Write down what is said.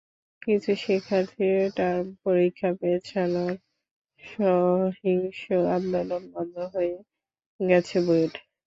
কিছু শিক্ষার্থীর টার্ম পরীক্ষা পেছানোর সহিংস আন্দোলনে বন্ধ হয়ে গেছে বুয়েট।